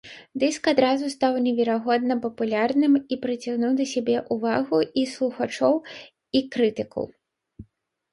Дыск адразу стаў неверагодна папулярным і прыцягнуў да сябе ўвагу і слухачоў, і крытыкаў.